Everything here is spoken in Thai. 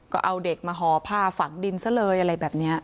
ก็เอาเด็กมาห่อผ้าฝังดินซะเลยอะไรแบบนี้